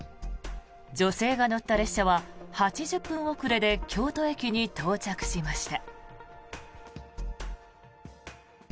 女性が乗った列車は８０分遅れで京都駅に到着しました。